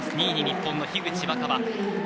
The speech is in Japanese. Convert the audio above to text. ２位に日本の樋口新葉。